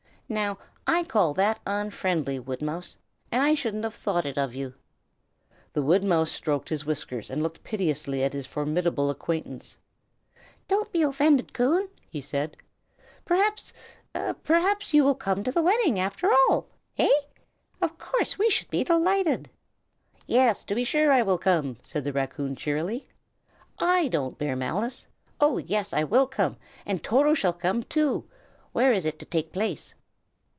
"Now, I call that unfriendly, Woodmouse, and I shouldn't have thought it of you." The woodmouse stroked his whiskers, and looked piteously at his formidable acquaintance. "Don't be offended, Coon!" he said. "Perhaps perhaps you will come to the wedding, after all. Eh? of course we should be delighted." "Yes, to be sure I will come!" said the raccoon, cheerily. "I don't bear malice. Oh, yes! I will come, and Toto shall come, too. Where is it to take place?"